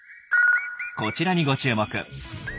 こちらにご注目。